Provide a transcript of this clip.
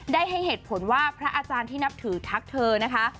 ได้ให้เหตุผลว่าพระอาจารย์ที่นับถือทักเธอนะคะ